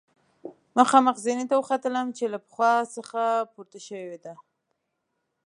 مخامخ زینې ته وختلم چې له پخوا څخه پورته شوې ده.